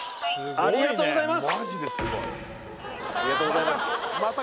ありがとうございます